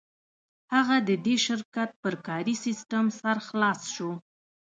هغه د دې شرکت پر کاري سیسټم سر خلاص شو